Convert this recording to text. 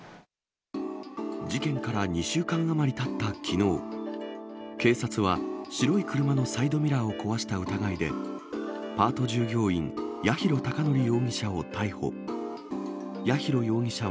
事件から２週間余りたったきのう、警察は白い車のサイドミラーを壊した疑いで、パート従業員、八尋孝則容疑者を逮捕。